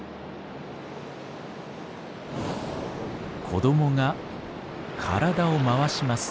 子供が体を回します。